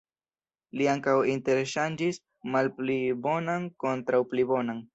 Li ankaŭ interŝanĝis malpli bonan kontraŭ pli bonan.